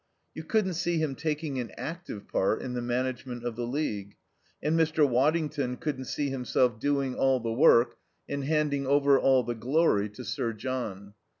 You couldn't see him taking an active part in the management of the League, and Mr. Waddington couldn't see himself doing all the work and handing over all the glory to Sir John.